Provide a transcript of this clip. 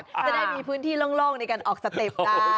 จะได้มีพื้นที่โล่งในการออกสเต็ปได้